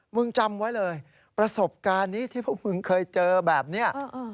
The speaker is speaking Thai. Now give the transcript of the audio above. จำไว้เลยประสบการณ์นี้ที่พวกมึงเคยเจอแบบนี้